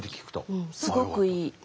うんすごくいい。